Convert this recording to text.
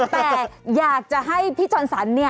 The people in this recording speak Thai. แต่อยากจะให้พี่จรสรรนี่